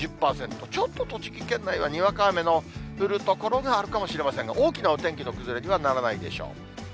ちょっと栃木県内はにわか雨の降る所があるかもしれませんが、大きなお天気の崩れにはならないでしょう。